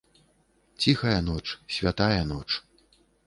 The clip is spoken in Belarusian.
Ціхая ноч, святая ноч!